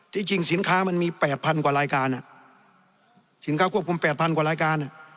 จริงสินค้ามันมี๘๐๐กว่ารายการสินค้าควบคุม๘๐๐กว่ารายการ